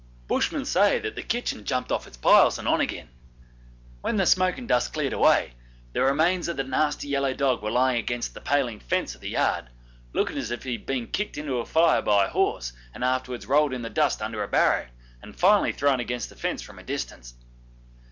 Bushmen say that that kitchen jumped off its piles and on again. When the smoke and dust cleared away, the remains of the nasty yellow dog were lying against the paling fence of the yard looking as if he had been kicked into a fire by a horse and afterwards rolled in the dust under a barrow, and finally thrown against the fence from a distance.